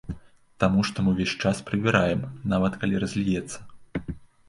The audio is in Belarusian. Таму што мы ўвесь час прыбіраем, нават калі разліецца.